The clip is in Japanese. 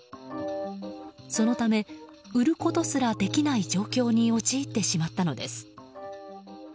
そのため、売ることすらできない状況に陥ってしまったのです。